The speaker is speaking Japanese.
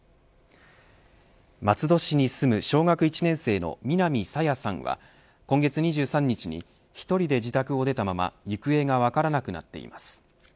松戸市に住む小学１年生の南朝芽さんは今月２３日に１人で自宅を出たまま行方が分からなくなっています。